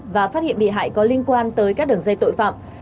và phát hiện bị hại có liên quan tới các đường dây tội phạm